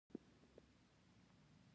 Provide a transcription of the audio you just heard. له بلې خوا وژنې او ځانمرګي وینو.